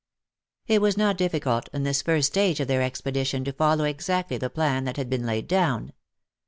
It was not difficult in this first stage of their expedition to follow exactly the plan that had been laid down.